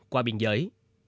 qua biên giới